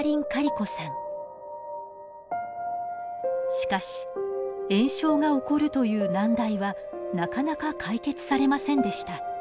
しかし炎症が起こるという難題はなかなか解決されませんでした。